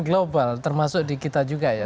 global termasuk di kita juga ya